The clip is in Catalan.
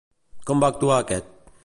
Com va actuar aquest?